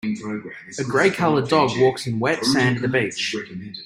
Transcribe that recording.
A gray colored dog walks in wet sand at a beach.